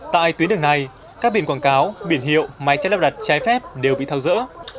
tại tuyến đường này các biển quảng cáo biển hiệu máy chai lắp đặt chai phép đều bị thao dỡ